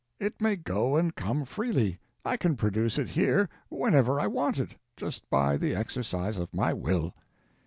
It may go and come freely. I can produce it here whenever I want it, just by the exercise of my will."